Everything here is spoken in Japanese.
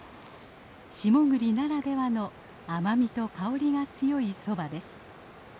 下栗ならではの甘みと香りが強いソバです。